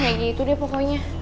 kayak gitu deh pokoknya